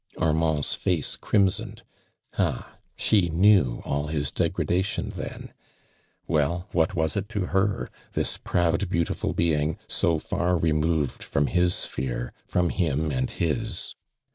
Armand's face crimsoned. Ah, she knew nil his degradation then. Well, what was it xo her, this proud beautiful being, so far removed from his sphere — from him and Ids?